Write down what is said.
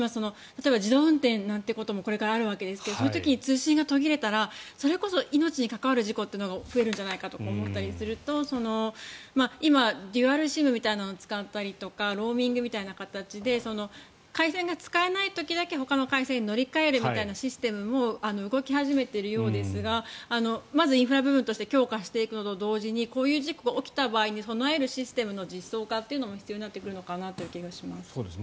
例えば自動運転なんてこともこれからあるわけですけどその時に通信が途切れたらそれこそ命に関わる事故というのが増えるんじゃないかと思ったりすると今、デュアルＳＩＭみたいなのを使ったりとかローミングみたいな形で回線が使えない時だけほかの回線に乗り換えるみたいなシステムも動き始めているようですがまず、インフラ部分として強化していくのと同時にこういう事故が起きた場合に備えるシステムの実用化も必要になってくるのかなという気がします。